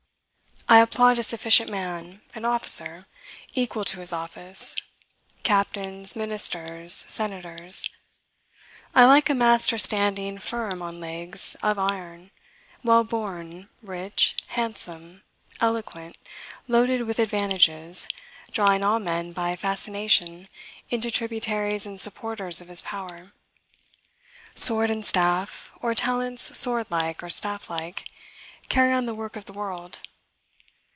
I applaud a sufficient man, an officer, equal to his office; captains, ministers, senators. I like a master standing firm on legs of iron, well born, rich, handsome, eloquent, loaded with advantages, drawing all men by fascination into tributaries and supporters of his power. Sword and staff, or talents sword like or staff like, carry on the work of the world.